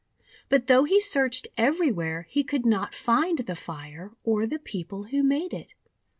But though he searched everywhere, he could riot find the fire or the people who made it.